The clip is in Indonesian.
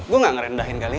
gue gak ngerendahin kalian